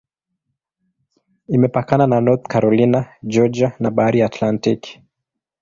Imepakana na North Carolina, Georgia na Bahari ya Atlantiki.